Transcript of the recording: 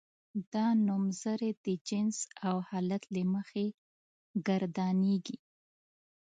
دا نومځري د جنس او حالت له مخې ګردانیږي.